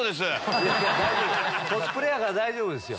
コスプレやから大丈夫ですよ。